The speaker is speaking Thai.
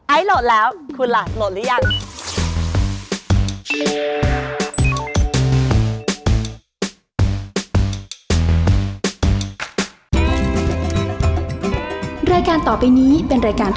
โหลดแล้วคุณล่ะโหลดหรือยัง